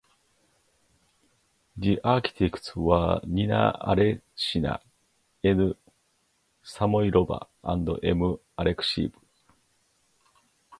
The architects were Nina Aleshina, N. Samoylova and M. Alekseev.